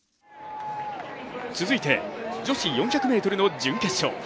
続いて、女子４００ｍの準決勝。